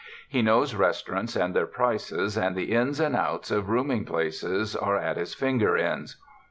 He knows restaurants and their prices, and the ins and outs of rooming places are at his finger ends.